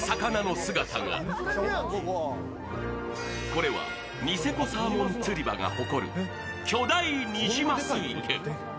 これはニセコサーモン釣り場が誇る巨大ニジマス池。